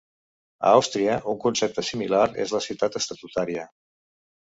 A Àustria, un concepte similar és la ciutat estatutària.